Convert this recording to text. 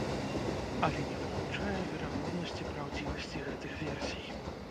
Але не выключае верагоднасці праўдзівасці гэтых версій.